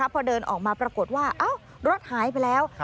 พอเดินออกมาปรากฏว่ารถหายไปแล้ว